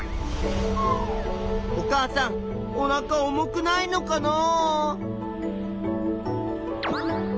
お母さんおなか重くないのかなあ。